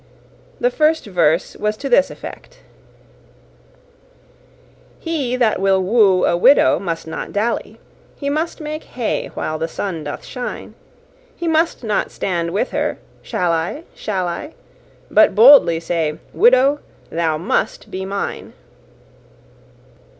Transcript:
The first verse was to this effect: "He that will woo a widow must not dally, He must make hay while the sun doth shine; He must not stand with her, Shall I, Shall I? But boldly say, Widow, thou must be mine."